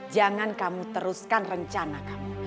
jangan kamu teruskan rencana kamu